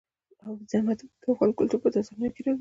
اوبزین معدنونه د افغان کلتور په داستانونو کې راځي.